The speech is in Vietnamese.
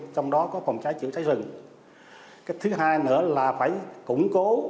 trong đó có phòng cháy chữa cháy rừng